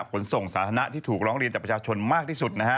ขนส่งสาธารณะที่ถูกร้องเรียนจากประชาชนมากที่สุดนะฮะ